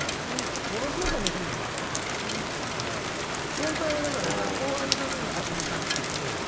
先輩はだからさ後輩のために始めたって言ってたじゃん。